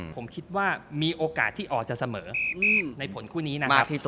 ผมคิดว่ามีโอกาสที่ออกจะเสมอในผลคู่นี้นะครับ